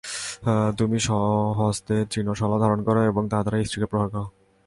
তুমি স্ব-হস্তে তৃণশলা ধারণ কর এবং তা দ্বারা স্ত্রীকে প্রহার কর।